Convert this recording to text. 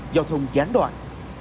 giao thông gián đoạn